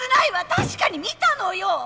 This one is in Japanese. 確かに見たのよ！